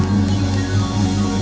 rimah kita sendiri